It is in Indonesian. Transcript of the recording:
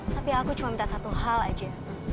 tapi aku cuma minta satu hal aja